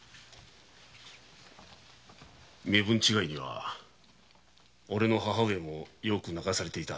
身分違いにはオレの母上もよく泣かされていた。